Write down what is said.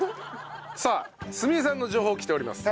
さあすみ江さんの情報来ております。